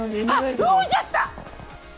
あっ、動いちゃった。